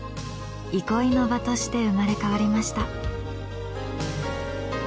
憩いの場として生まれ変わりました。